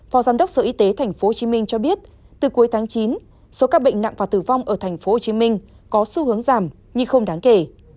phó giám đốc sở y tế tp hcm cho biết từ cuối tháng chín số ca bệnh nặng và tử vong ở tp hcm có xu hướng giảm nhưng không đáng kể